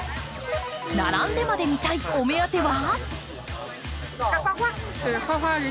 並んでまで見たいお目当ては？